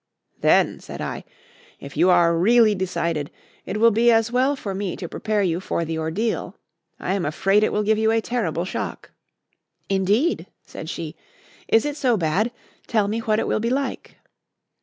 "Then," said I, "if you are really decided, it will be as well for me to prepare you for the ordeal. I am afraid it will give you a terrible shock." "Indeed?" said she. "Is it so bad? Tell me what it will be like."